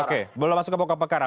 oke boleh masuk ke pokok perkara